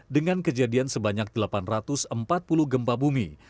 dengan kejadian sebanyak delapan ratus empat puluh gempa bumi